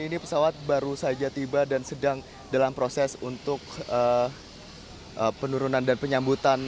ini pesawat baru saja tiba dan sedang dalam proses untuk penurunan dan penyambutan